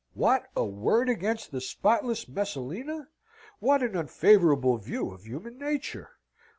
What? a word against the spotless Messalina? What an unfavourable view of human nature!